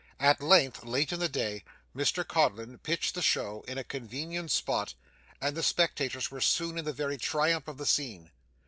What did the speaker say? At length, late in the day, Mr Codlin pitched the show in a convenient spot, and the spectators were soon in the very triumph of the scene.